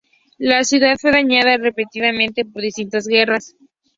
La ciudad fue dañada repetidamente por distintas guerras.